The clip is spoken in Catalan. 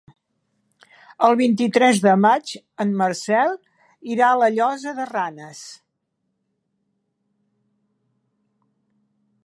El vint-i-tres de maig en Marcel irà a la Llosa de Ranes.